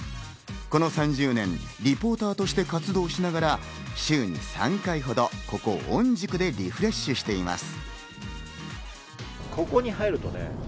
この３０年、リポーターとして活動しながら週に３回ほど、ここ御宿でリフレッシュしています。